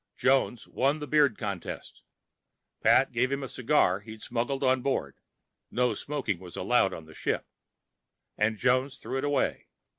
Jones won the beard contest. Pat gave him a cigar he'd smuggled on board (no smoking was allowed on the ship), and Jones threw it away.